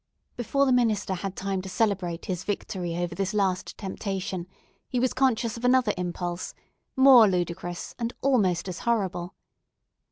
Before the minister had time to celebrate his victory over this last temptation, he was conscious of another impulse, more ludicrous, and almost as horrible.